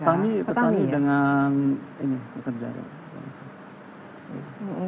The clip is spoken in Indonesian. petani petani dengan ini pekerjaan